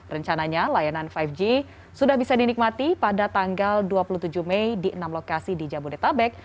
rencananya layanan lima g sudah bisa dinikmati pada tanggal dua puluh tujuh mei di enam lokasi di jabodetabek